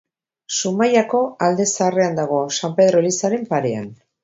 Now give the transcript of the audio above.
Zumaiako Alde Zaharrean dago, San Pedro elizaren parean.